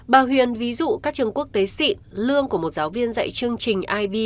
bà huyền ví dụ các trường quốc tế xị lương của một giáo viên dạy chương trình ib